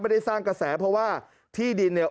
ได้สร้างกระแสเพราะว่าที่ดินเนี่ย